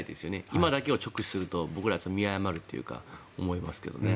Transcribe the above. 今だけを直視すると僕ら見誤るという気がします。